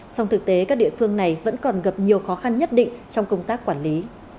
song thực tế các địa phương này vẫn còn gặp nhiều khó khăn nhất định trong công tác quản lý